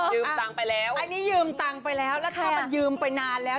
ตังค์ไปแล้วอันนี้ยืมตังค์ไปแล้วแล้วถ้ามันยืมไปนานแล้ว